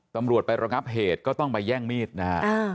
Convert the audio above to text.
ตำรวจไประงับเหตุก็ต้องไปแย่งมีดนะฮะ